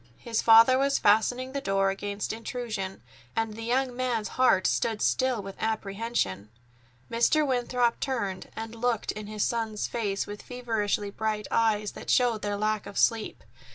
His father was fastening the door against intrusion, and the young man's heart stood still with apprehension. Mr. Winthrop turned and looked in his son's face with feverishly bright eyes that showed their lack of sleep.